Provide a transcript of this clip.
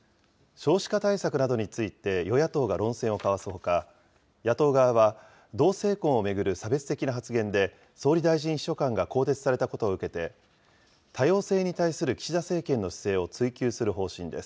少子化対策などについて与野党が論戦を交わすほか、野党側は、同性婚を巡る差別的な発言で総理大臣秘書官が更迭されたことを受けて、多様性に対する岸田政権の姿勢を追及する方針です。